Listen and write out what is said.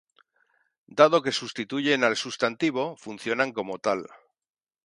Dado que sustituyen al sustantivo, funcionan como tal.